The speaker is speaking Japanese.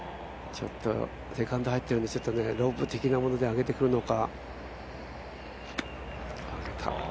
セカンド入っているんで、ロブ的なもので上げてくるのか。